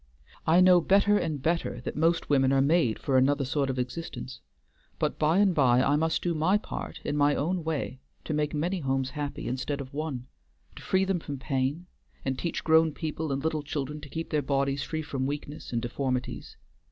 I know better and better that most women are made for another sort of existence, but by and by I must do my part in my own way to make many homes happy instead of one; to free them from pain, and teach grown people and little children to keep their bodies free from weakness and deformities.